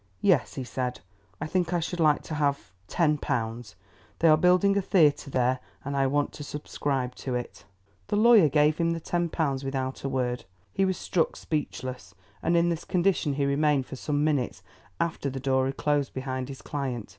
"Yes," he said, "I think I should like to have ten pounds. They are building a theatre there, and I want to subscribe to it." The lawyer gave him the ten pounds without a word; he was struck speechless, and in this condition he remained for some minutes after the door had closed behind his client.